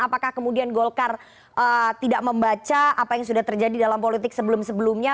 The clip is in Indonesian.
apakah kemudian golkar tidak membaca apa yang sudah terjadi dalam politik sebelum sebelumnya